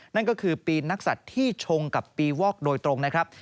นั่นก็คือปีนักศัตริย์ที่ชงกับปีวอกโดยตรงนะครับ